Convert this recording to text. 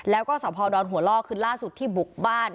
แล้วก็สพดอนหัวล่อคือล่าสุดที่บุกบ้าน